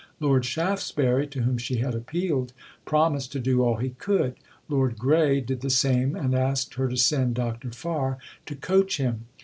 Lord Shaftesbury, to whom she had appealed, promised to do all he could. Lord Grey did the same, and asked her to send Dr. Farr to coach him.